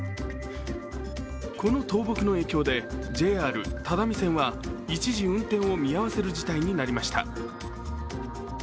この倒木の影響でＪＲ只見線は一時、運転を見合わせる事態になりました。